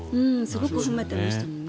すごく褒めてましたよね。